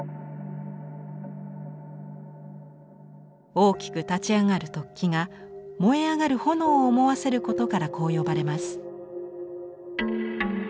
大きく立ち上がる突起が燃え上がる焔を思わせることからこう呼ばれます。